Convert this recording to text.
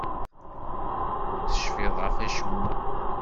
Ur tecfiḍ ɣef acemma?